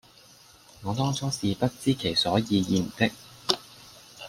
我當初是不知其所以然的；